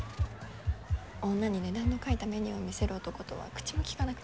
女に値段の書いたメニューを見せる男とは口もきかなくていい。